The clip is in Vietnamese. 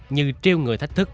như triêu người thách thức